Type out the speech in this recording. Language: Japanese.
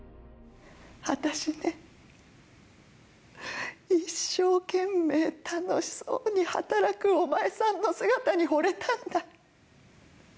私ね一生懸命楽しそうに働くお前さんの姿にほれたんだ。